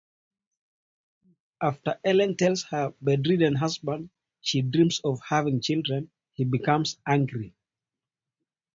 After Ellen tells her bedridden husband she dreams of having children, he becomes angry.